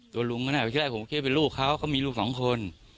ตัวลุงก็น่ะวันที่แรกผมเชื่อเป็นลูกเขาเขามีลูกสองคน